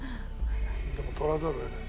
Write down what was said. でも取らざるを得ない。